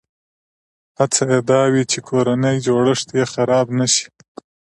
هڅه یې دا وي چې کورنی جوړښت یې خراب نه شي.